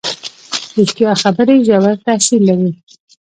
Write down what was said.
ریښتیا خبرې ژور تاثیر لري.